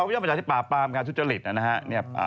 อ๋อปราบประชอย่อมจากที่ปราบปรามการทุจจริตนะ